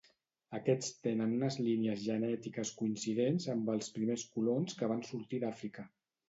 Aquests tenen unes línies genètiques coincidents amb els primers colons que van sortir d'Àfrica.